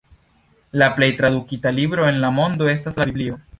La plej tradukita libro en la mondo estas la Biblio.